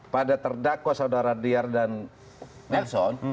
pada terdakwa saudara diyar dan nelson